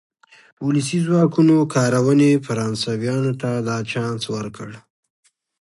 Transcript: ولسي ځواکونو کارونې فرانسویانو ته دا چانس ورکړ.